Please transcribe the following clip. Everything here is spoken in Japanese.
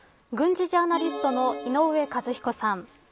軍事ジャーナリストの井上和彦さん